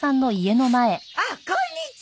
あっこんにちは。